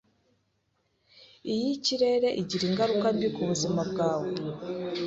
Iyi kirere igira ingaruka mbi kubuzima bwawe. )